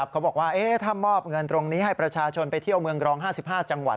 เขาบอกว่าถ้ามอบเงินตรงนี้ให้ประชาชนไปเที่ยวเมืองกรอง๕๕จังหวัด